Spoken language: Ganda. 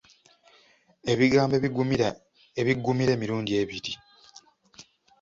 Ebigambo ebiggumira emirundi ebiri.